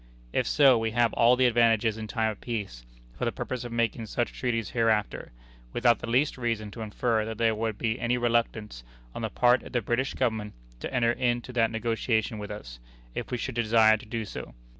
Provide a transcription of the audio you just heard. If so, we have all the advantages in time of peace, for the purpose of making such treaties hereafter, without the least reason to infer that there would be any reluctance on the part of the British Government to enter into that negotiation with us, if we should desire to do so.